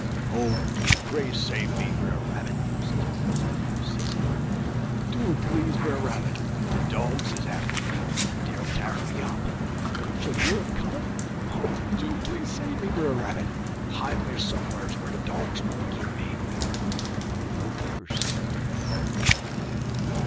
"'Oh, do pray save me, Brer Rabbit!' sez Brer Wolf, sezee. 'Do please, Brer Rabbit! de dogs is atter me, en dey 'll t'ar me up. Don't you year um comin'? Oh, do please save me, Brer Rabbit! Hide me some'rs whar de dogs won't git me.' "No quicker sed dan done.